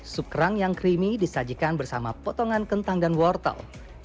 sup kerang yang creamy disajikan bersama potongan kentang dan wortel